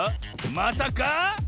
まさか？